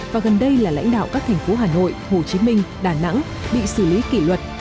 và gần đây là lãnh đạo các thành phố hà nội hồ chí minh đà nẵng bị xử lý kỷ luật